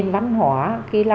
ngắn nove va terra